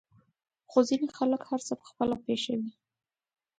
خو ځينې خلک هر څه په خپله پېښوي.